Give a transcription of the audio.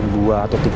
dua atau tiga